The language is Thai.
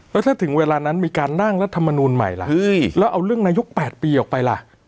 แล้วถ้าถึงเวลานั้นมีการนั่งรัฐมนูลใหม่ล่ะแล้วเอาเรื่องนายก๘ปีออกไปล่ะ